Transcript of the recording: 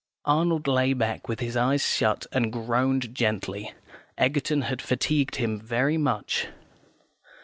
Arnold lay back with his eyes shut, and groaned gently. Egerton had fatigued him very much.